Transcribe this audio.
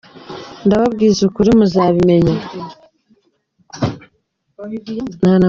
Ndababwiza ukuri muzabimenya